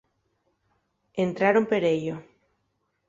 Entraron per ello.